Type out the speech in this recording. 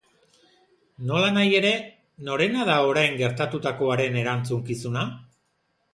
Nolanahi ere, norena da orain gertatutakoaren erantzukizuna?